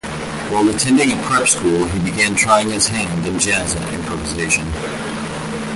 While attending a prep school, he began trying his hand in jazz improvisation.